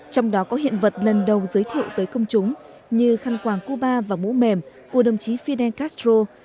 trong đó có hiện vật lần đầu giới thiệu tới công chúng như khăn quàng cuba và mũ mềm của đồng chí fidel castro